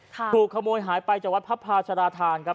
ถูกขโมยหายไปจากวัดพระพาชราธานครับ